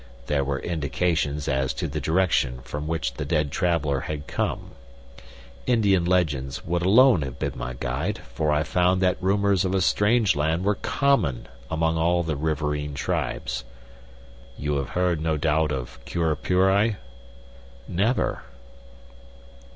There were indications as to the direction from which the dead traveler had come. Indian legends would alone have been my guide, for I found that rumors of a strange land were common among all the riverine tribes. You have heard, no doubt, of Curupuri?" "Never."